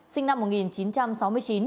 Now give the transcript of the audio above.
sinh năm một nghìn chín trăm sáu mươi chín